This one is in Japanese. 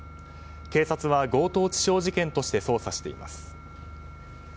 警察は強盗致傷事件として捜査しています。